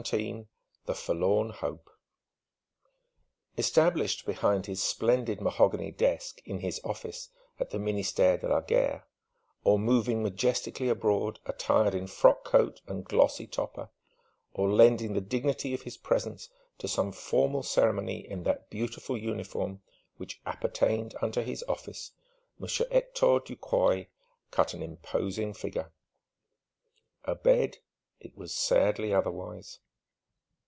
XVII THE FORLORN HOPE Established behind his splendid mahogany desk in his office at the Ministère de la Guerre, or moving majestically abroad attired in frock coat and glossy topper, or lending the dignity of his presence to some formal ceremony in that beautiful uniform which appertained unto his office, Monsieur Hector Ducroy cut an imposing figure. Abed ... it was sadly otherwise.